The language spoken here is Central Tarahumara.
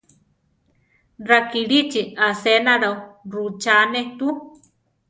Rakilíchi asénalo rúchane tu.